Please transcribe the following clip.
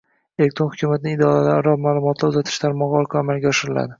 elektron hukumatning idoralararo ma’lumotlar uzatish tarmog‘i orqali amalga oshiriladi.